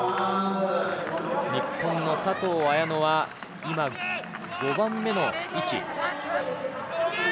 日本の佐藤綾乃は今、５番目の位置。